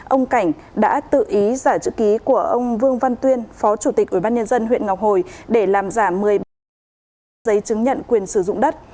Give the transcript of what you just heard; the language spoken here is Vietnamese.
ông cảnh đã tự ý giả chữ ký của ông vương văn tuyên phó chủ tịch ủy ban nhân dân huyện ngọc hồi để làm giảm một mươi giấy chứng nhận quyền sử dụng đất